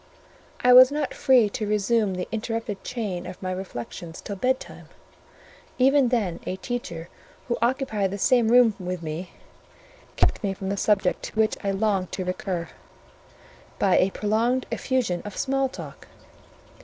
I was not free to resume the interrupted chain of my reflections till bedtime: even then a teacher who occupied the same room with me kept me from the subject to which I longed to recur, by a prolonged effusion of small talk.